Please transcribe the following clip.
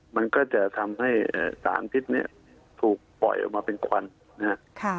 มันก็จะทำให้สารพิษเนี่ยถูกปล่อยออกมาเป็นควันนะครับ